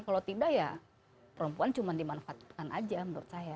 kalau tidak ya perempuan cuma dimanfaatkan aja menurut saya